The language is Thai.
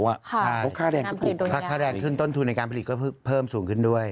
เพราะค่าแรงก็ถูกด้วยถ้าค่าแรงขึ้นต้นทุนในการผลิตก็เพิ่มสูงขึ้นด้วย